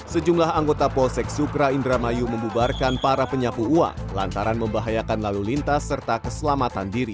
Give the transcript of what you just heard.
sejumlah anggota polsek sukra indramayu membubarkan para penyapu uang lantaran membahayakan lalu lintas serta keselamatan diri